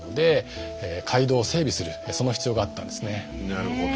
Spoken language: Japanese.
なるほど。